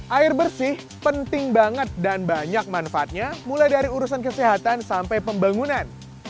air bersih penting banget dan banyak manfaatnya mulai dari urusan kesehatan sampai pembangunan